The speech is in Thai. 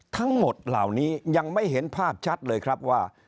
ทั้งหมดเหล่านี้ยังไม่เห็นภาพชัดเลยครับว่า